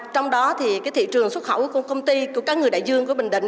trong đó thì cái thị trường xuất khẩu của công ty của cá ngừ đại dương của bình định